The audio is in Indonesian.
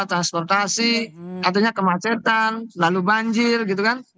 transportasi artinya kemacetan lalu banjir gitu kan